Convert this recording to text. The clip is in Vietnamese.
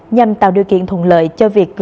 nhằm tạo điều kiện thùng lợi cho việc